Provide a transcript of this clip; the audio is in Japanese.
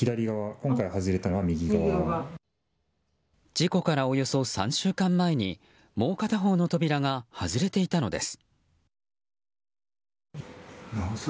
事故からおよそ３週間前にもう片方の扉が外れていたのです。